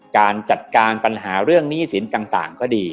การจัดการปัญหาเรื่องหนี้สินต่างก็ดี